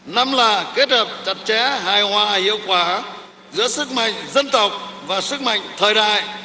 năm là kết hợp chặt chẽ hài hòa hiệu quả giữa sức mạnh dân tộc và sức mạnh thời đại